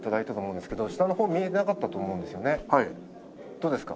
どうですか？